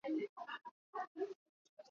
Kal lang kaw.